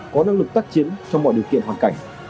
có năng lực tác chiến trong mọi điều kiện hoàn cảnh